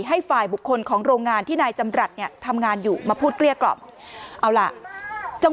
ให้ฝ่ายบุคคลของโรงงานที่นายจำรัฐทำงานอยู่มาพูดเกลี้ยกล่อม